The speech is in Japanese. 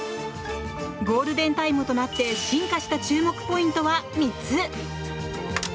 ゴールデンタイムとなって進化した注目ポイントは３つ！